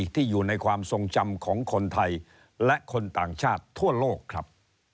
ที่อยู่ในความทรงจำของคนไทยและคนต่างชาติทั่วโลกครับ